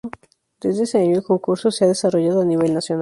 Desde ese año el concurso se ha desarrollado a nivel nacional.